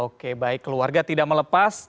oke baik keluarga tidak melepas